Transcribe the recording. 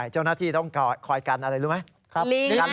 เจ้าหน้าที่ต้องคอยกันอะไรรู้ไหม